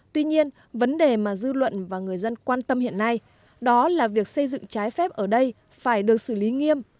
tuy nhiên vấn đề mà dư luận và người dân quan tâm hiện nay đó là việc xây dựng trái phép ở đây phải được xử lý nghiêm